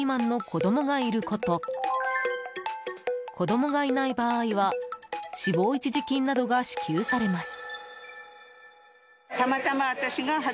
子供がいない場合は死亡一時金などが支給されます。